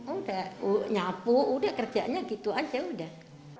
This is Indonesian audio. udah nyapu udah kerjanya gitu aja udah